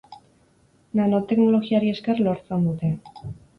Nanoteknologiari esker lortzen dute.